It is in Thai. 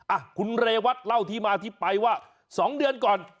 อ่ะคุณเรวัตเล่าที่มาที่ไปว่า๒เดือนก่อน